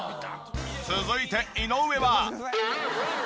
続いて井上は。